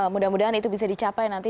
mudah mudahan itu bisa dicapai nanti